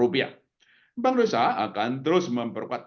bank indonesia akan terus memperkuat